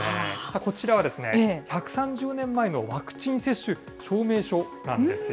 こちらはですね、１３０年前のワクチン接種証明書なんですよ。